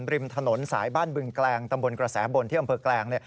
ริมถนนสายบ้านบึงแกลงตำบลกระแสบนที่อำเภอแกลง